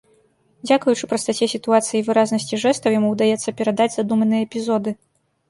Дзякуючы прастаце сітуацый і выразнасці жэстаў яму ўдаецца перадаць задуманыя эпізоды.